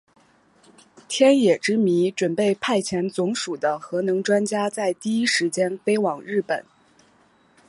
天野之弥准备派遣总署的核能专家在第一时间飞往日本。